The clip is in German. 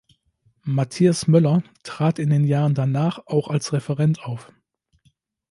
Matthias Möller trat in den Jahren danach auch als Referent auf.